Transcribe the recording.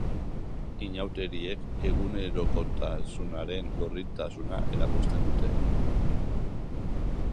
Inauteriek egunerokoaren gordintasuna erakusten dute.